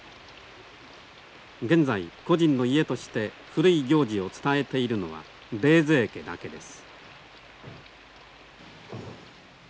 現在個人の家として古い行事を伝えているのは冷泉家だけです。